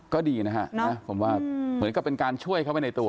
ก็ดีนะฮะผมว่าเหมือนกับเป็นการช่วยเข้าไปในตัว